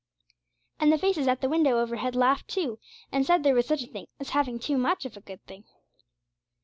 And the faces at the window overhead laughed too, and said there was such a thing as having too much of a good thing.